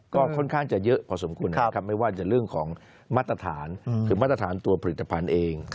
ก็ค่อนข้างจะเยอะพอสมควรนะครับไม่ว่าจะเรื่องของมาตรฐานหรือมาตรฐานตัวผลิตภัณฑ์เอง